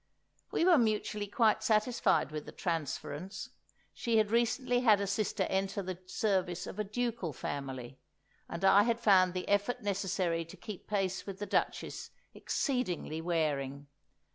We were mutually quite satisfied with the transference; she had recently had a sister enter the service of a ducal family, and I had found the effort necessary to keep pace with the duchess exceedingly wearing.